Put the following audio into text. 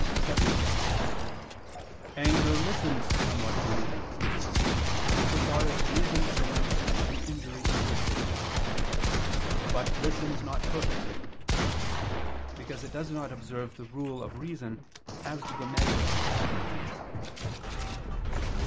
_ vii, 6, "anger listens somewhat to reason" in so far as reason denounces the injury inflicted, "but listens not perfectly," because it does not observe the rule of reason as to the measure of vengeance.